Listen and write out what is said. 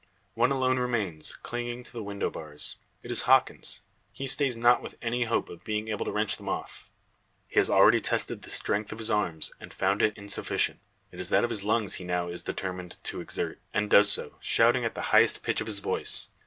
One alone remains, clinging to the window bars. It is Hawkins. He stays not with any hope of being able to wrench them off. He has already tested the strength of his arms, and found it insufficient. It is that of his lungs he now is determined to exert, and does so, shouting at the highest pitch of his voice.